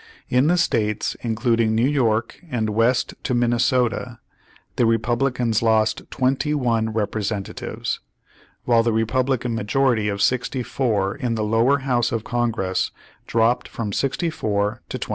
In the states including New York and west to Minn esota, the Republicans lost 21 representatives, While the Republican majority of 64 in the Lower House of Congress dropped from 64 to 27.